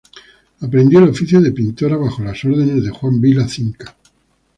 Aprendió el oficio de pintora bajo las órdenes de Juan Vila Cinca.